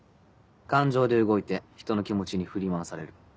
感情で動いて人の気持ちに振り回される。